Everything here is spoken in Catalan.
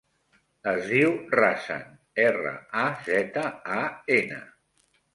Es diu Razan: erra, a, zeta, a, ena.